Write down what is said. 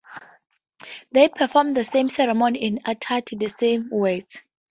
They performed the same ceremony and uttered the same words.